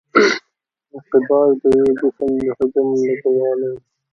انقباض د یو جسم د حجم لږوالی دی.